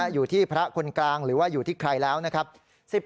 อยู่ที่พระคนกลางหรือว่าอยู่ที่ใครแล้วนะครับ